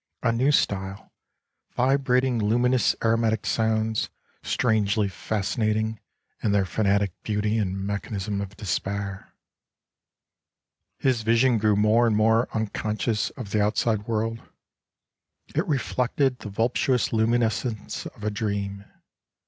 A new style! Vibrating luminous aromatic sounds, strangely fascinating in their fanatic beauty and mechanism of despair. His vision grew more and more unconscious of the out side world ; it reflected the voluptuous luminousness of a dream.